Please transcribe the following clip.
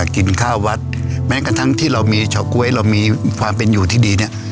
กินข้าววัดแม้กระทั่งที่เรามีเฉาก๊วยเรามีความเป็นอยู่ที่ดีเนี่ย